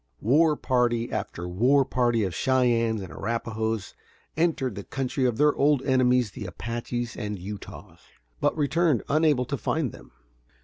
War party after war party of Cheyennes and Arrapahoes entered the country of their old enemies the Apaches and Utahs, but returned unable to find them.